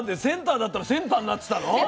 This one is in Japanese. センターだったらセンターになってたの？